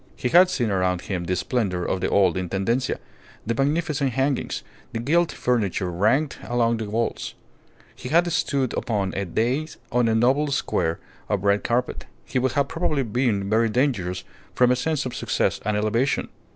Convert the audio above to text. Had he seen around him the splendour of the old Intendencia, the magnificent hangings, the gilt furniture ranged along the walls; had he stood upon a dais on a noble square of red carpet, he would have probably been very dangerous from a sense of success and elevation.